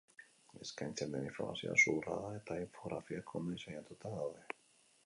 Eskaintzen den informazioa zuhurra da eta infografiak ondo diseinatuta daude.